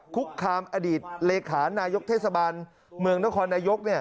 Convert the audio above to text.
คุกคามอดีตเลขานายกเทศบาลเมืองนครนายก